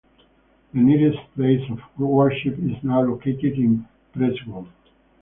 The nearest place of worship is now located in Prestwold.